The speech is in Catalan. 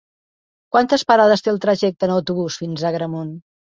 Quantes parades té el trajecte en autobús fins a Agramunt?